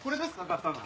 買ったの。